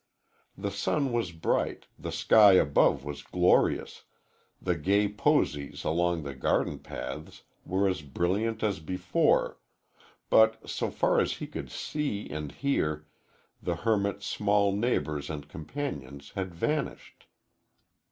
The sun was bright, the sky above was glorious, the gay posies along the garden paths were as brilliant as before, but so far as he could see and hear, the hermit's small neighbors and companions had vanished.